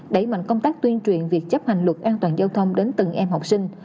đẩy mạnh công tác tuyên truyền việc chấp hành luật an toàn giao thông đến từng em học sinh